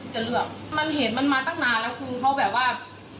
จะเลือกมันเห็นมันมาตั้งนานแล้วคือเขาแบบว่า